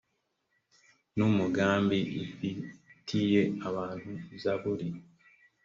n umugambi ifitiye abantu zaburi